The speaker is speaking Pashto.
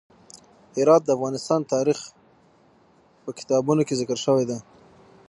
هرات د افغان تاریخ په کتابونو کې ذکر شوی دی.